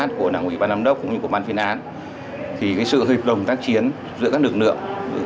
cũng như của ban phiên án sự hiệp đồng tác chiến giữa các lực lượng